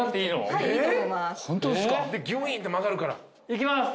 いきます。